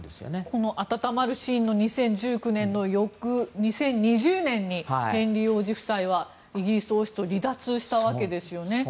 この温まるシーンの２０１９年の翌２０２０年にヘンリー王子夫妻はイギリス王室を離脱したわけですね。